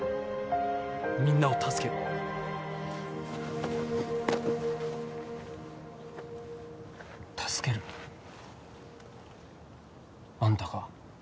みんなを助ける助ける？あんたが？